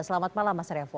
selamat malam mas revo